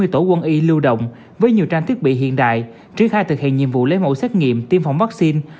hai mươi tổ quân y lưu động với nhiều trang thiết bị hiện đại triển khai thực hiện nhiệm vụ lấy mẫu xét nghiệm tiêm phòng vaccine